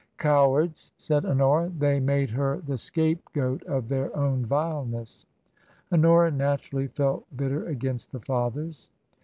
"Cowards!" said Honora. "They made her the scapegoat of their own vileness." Honora naturally felt bitter against the Fathers.